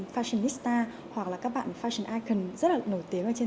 fashionista hoặc là các bạn fashion icon rất là nổi tiếng ở trên